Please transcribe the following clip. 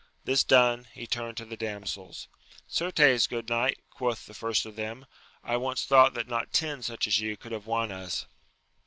This done, he turned to the damsels. Certes, good knight, quoth the first of them, I once thought that not ten such as you could have won us.